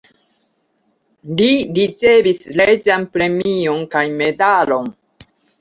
Li ricevis reĝan premion kaj medalon.